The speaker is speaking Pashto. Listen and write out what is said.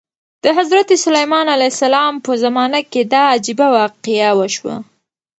د حضرت سلیمان علیه السلام په زمانه کې دا عجیبه واقعه وشوه.